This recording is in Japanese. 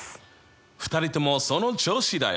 ２人ともその調子だよ！